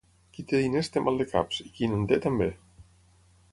Qui té diners té maldecaps i qui no en té, també.